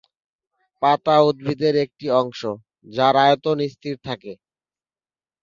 পাতা উদ্ভিদের একটি অংশ যার আয়তন স্থির থাকে।